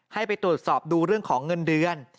ให้ไปตรวจสอบดูเรื่องของเงินเดือน